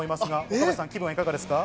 岡部さん、気分はいかがですか？